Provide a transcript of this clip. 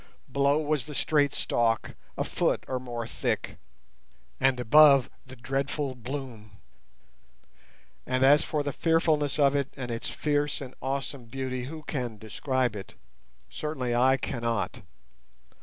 Below was the straight stalk, a foot or more thick, and above the dreadful bloom. And as for the fearfulness of it and its fierce and awesome beauty, who can describe it? Certainly I cannot.